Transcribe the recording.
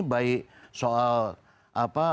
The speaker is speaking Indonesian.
baik soal apa